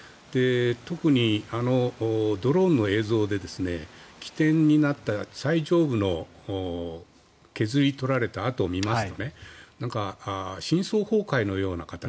特に泥の映像で、起点になった最上部の削り取られた跡をみますと深層崩壊のような形。